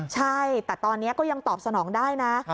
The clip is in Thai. ใช่แต่ตอนนี้ก็ยังตอบสนองได้นะ